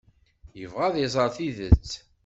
Yebɣa ad iẓer tidet.